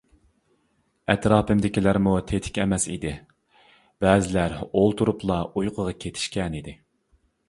ئەتراپىمدىكىلەرمۇ تېتىك ئەمەس ئىدى، بەزىلەر ئولتۇرۇپلا ئۇيقۇغا كېتىشكەنىدى.